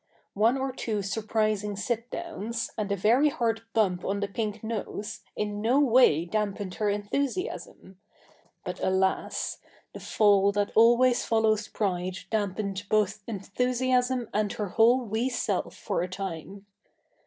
One or two surprising sit downs and a very hard bump on the pink nose in no way dampened her enthusiasm; but alas! the fall that always follows pride dampened both enthusiasm and her whole wee self for a time.